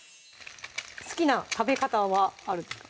好きな食べ方はあるんですか？